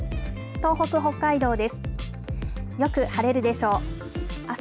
東北、北海道です。